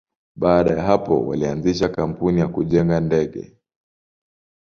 Baada ya hapo, walianzisha kampuni ya kujenga ndege.